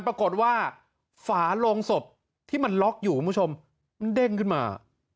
ปรากฏว่าฝาโลงศพที่มันล็อกอยู่คุณผู้ชมมันเด้งขึ้นมา